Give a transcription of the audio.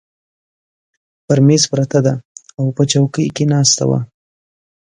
پر مېز پرته ده، او په چوکۍ کې ناسته وه.